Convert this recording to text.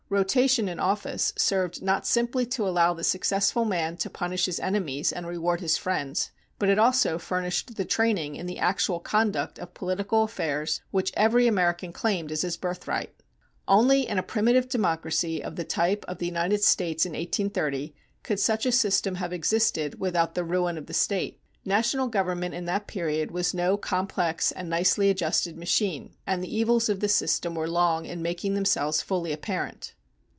Rotation in office served not simply to allow the successful man to punish his enemies and reward his friends, but it also furnished the training in the actual conduct of political affairs which every American claimed as his birthright. Only in a primitive democracy of the type of the United States in 1830 could such a system have existed without the ruin of the State. National government in that period was no complex and nicely adjusted machine, and the evils of the system were long in making themselves fully apparent.